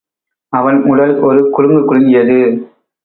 அவன் உடல் ஒரு குலுங்குக் குலுங்கியது.